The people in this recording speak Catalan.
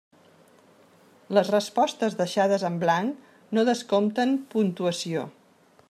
Les respostes deixades en blanc no descompten puntuació.